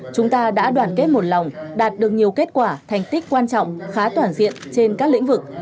chúng ta đã đoàn kết một lòng đạt được nhiều kết quả thành tích quan trọng khá toàn diện trên các lĩnh vực